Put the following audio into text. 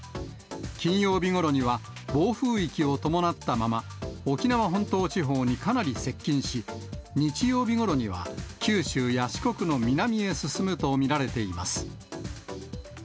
金曜日ごろには暴風域を伴ったまま、沖縄本島地方にかなり接近し、日曜日ごろには九州や四国の南へ進むと見られています。